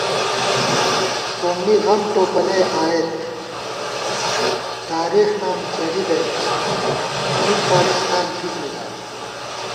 سومّی غم ٹوپَلی آئېت تارېخ نام چلِی درِتہ، نِم پاکستان تھِک مِزان